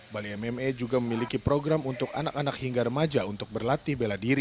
bali mma juga memiliki program untuk anak anak hingga remaja untuk berlatih bela diri